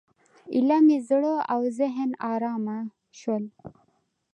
ایله مې زړه او ذهن ارامه شول.